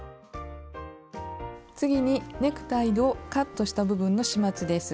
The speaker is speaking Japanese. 次にネクタイのカットした部分の始末です。